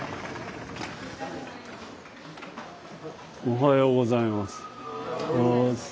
おはようございます。